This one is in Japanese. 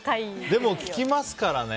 でも聞きますからね。